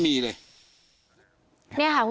แม่น้องชมพู่